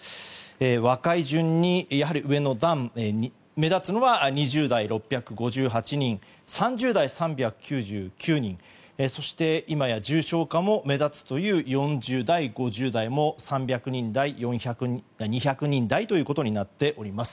若い順に上の段目立つのは２０代、６５８人３０代、３９９人そして今や重症化も目立つという４０代、５０代も２００人台となっています。